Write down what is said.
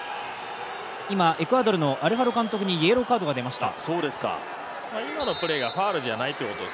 今、エクアドルのコーチにイエローカードが出ました。